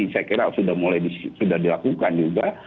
sudah dilakukan juga